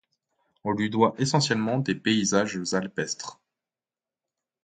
On lui doit essentiellement des paysages alpestres.